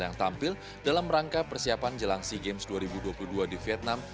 yang tampil dalam rangka persiapan jelang sea games dua ribu dua puluh dua di vietnam